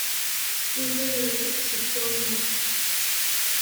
Yuba yerwel-d seg tkurmut.